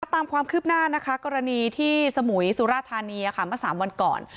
ตามความคืบหน้านะคะกรณีที่สมุยสุราธานีเมื่อ๓วันก่อน